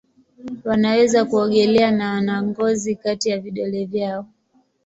Wanaweza kuogelea na wana ngozi kati ya vidole vyao.